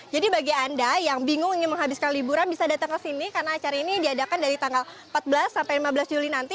jadi bagi anda yang bingung ingin menghabiskan liburan bisa datang kesini karena acara ini diadakan dari tanggal empat belas sampai lima belas juli nanti